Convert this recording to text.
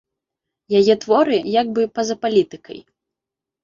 Яе творы як бы па-за палітыкай.